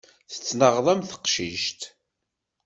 Tettnaɣeḍ am teqcict.